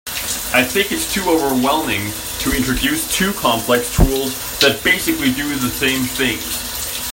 I think it’s too overwhelming to introduce two complex tools that basically do the same things.